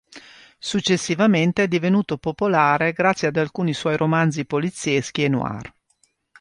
Successivamente è divenuto popolare grazie ad alcuni suoi romanzi polizieschi e noir.